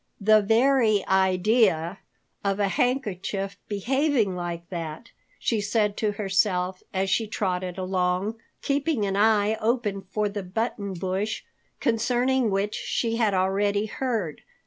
"The very idea of a handkerchief behaving like that!" she said to herself as she trotted along, keeping an eye open for the button bush concerning which she had already heard.